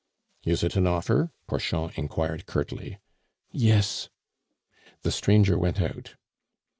"Is it an offer?" Porchon inquired curtly. "Yes." The stranger went out.